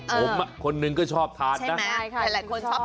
ผมอ่ะคนหนึ่งก็ชอบทานเห็นไหม